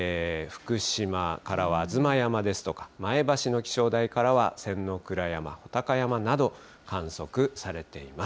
福島からは吾妻山ですとか、前橋の気象台からは仙ノ倉山、武尊山など、観測されています。